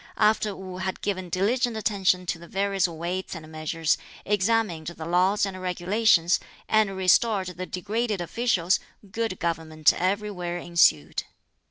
After Wu had given diligent attention to the various weights and measures, examined the laws and regulations, and restored the degraded officials, good government everywhere ensued.